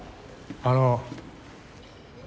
あの。